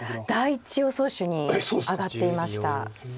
第１予想手に挙がっていました。